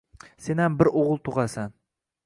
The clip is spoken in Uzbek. Senam bir o`g`il tug`asan